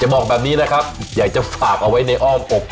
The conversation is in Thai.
บอกแบบนี้นะครับอยากจะฝากเอาไว้ในอ้อมอก